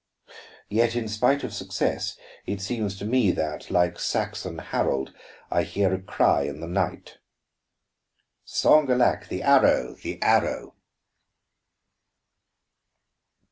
Yet, in spite of success, it seems to me that, like Saxon Harold, I hear a cry in the night: '_Sanguelac, the arrow, the arrow!